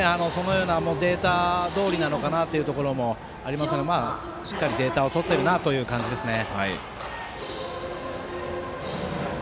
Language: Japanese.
データどおりなのかなというところもありますが、しっかりデータをとっているなという感じですね。